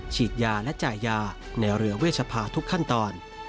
ฉีดยาและจ่ายยาในเรือเวชภาทุกขั้นตอน